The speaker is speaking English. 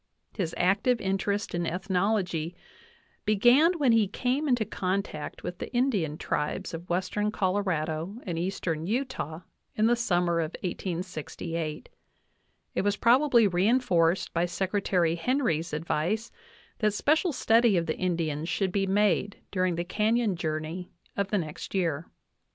His active interest in ethnology began when he came into contact with the Indian tribes of western Colorado and eastern Utah in the summer of 1868^! it was probably reinforced by Secretary Henry's advice that special study of the Indians should be made during the canyon journey of the next year.